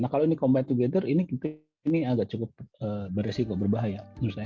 nah kalau ini combined together ini agak cukup berisiko berbahaya